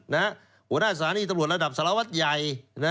หัวหน้าสถานีตำรวจระดับสารวัตรใหญ่